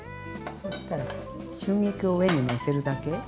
そしたら春菊を上にのせるだけ。